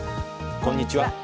こんにちは。